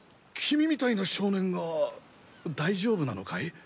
君みたいな少年が大丈夫なのかい？